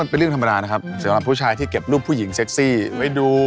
ถ้าแฟนคุณเอาโทรศัพท์ของคุณไปดู